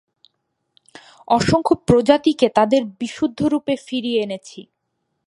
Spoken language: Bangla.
অসংখ্য প্রজাতিকে তাদের বিশুদ্ধ রূপে ফিরিয়ে এনেছি।